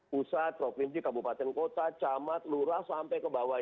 pusat provinsi kabupaten kota camat lurah sampai ke bawah